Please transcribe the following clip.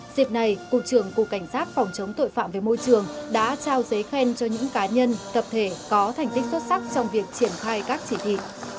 dịp này cục trưởng cục cảnh sát phòng chống tội phạm về môi trường đã trao giấy khen cho những cá nhân tập thể có thành tích xuất sắc trong việc triển khai các chỉ thị